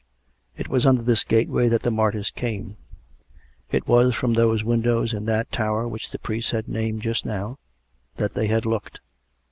It was under this gateway that the martyrs came; it was from those windows in that tower which the priest had named just now, that they had looked.